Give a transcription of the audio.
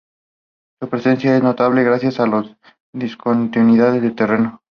Su presencia es notable gracias a las discontinuidades del terreno.